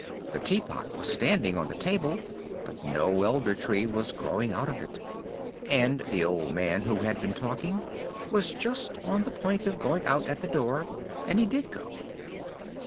The tea pot was standing on the table, but no Elder Tree was growing out of it! And the old man, who had been talking, was just on the point of going out at the door, and he did go.